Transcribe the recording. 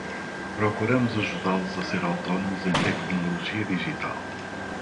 Procuramos ajudá-los a ser autônomos em tecnologia digital.